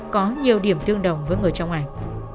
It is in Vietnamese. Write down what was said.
có nhiều điểm tương đồng với người trong ảnh